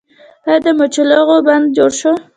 آیا د مچالغو بند جوړ شو؟